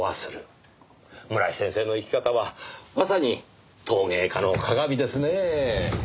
村井先生の生き方はまさに陶芸家の鑑ですねぇ。